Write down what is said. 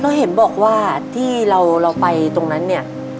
แล้วเห็นบอกว่าที่เราไปตรงนั้นเนี่ย